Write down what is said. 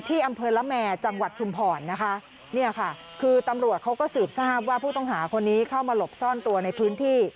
อำเภอละแมจังหวัดชุมพรนะคะเนี่ยค่ะคือตำรวจเขาก็สืบทราบว่าผู้ต้องหาคนนี้เข้ามาหลบซ่อนตัวในพื้นที่